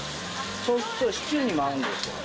そうするとシチューにも合うんですよ。